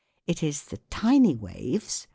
It is the tiny waves, i.